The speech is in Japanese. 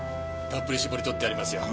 たっぷり絞り取ってやりますよ。